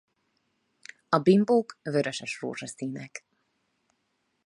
A bimbók vöröses-rózsaszínek.